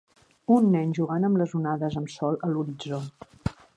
Un nen jugant amb les onades amb sol a l'horitzó.